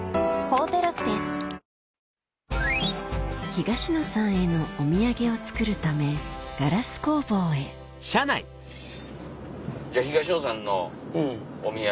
東野さんへのお土産を作るためガラス工房へじゃあ東野さんのお土産。